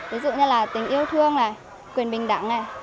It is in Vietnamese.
ví dụ như là tình yêu thương quyền bình đẳng